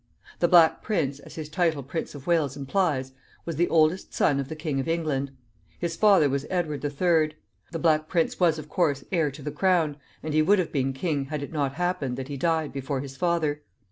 The Black Prince, as his title Prince of Wales implies, was the oldest son of the King of England. His father was Edward the Third. The Black Prince was, of course, heir to the crown, and he would have been king had it not happened that he died before his father.